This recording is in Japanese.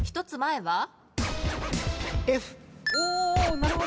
１つ前は？